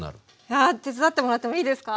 あ手伝ってもらってもいいですか？